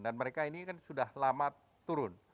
dan mereka ini kan sudah lama turun